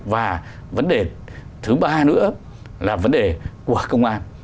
và vấn đề thứ ba nữa là vấn đề của công an